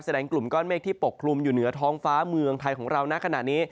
กลุ่มก้อนเมฆที่ปกคลุมอยู่เหนือท้องฟ้าเมืองไทยของเรานะขณะนี้